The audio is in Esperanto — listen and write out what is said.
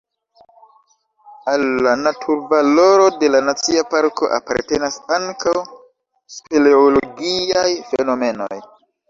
Al la naturvaloro de la nacia parko apartenas ankaŭ speleologiaj fenomenoj.